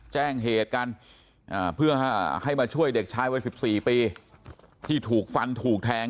แจ้งเหตุกันเพื่อให้มาช่วยเด็กชายวัย๑๔ปีที่ถูกฟันถูกแทง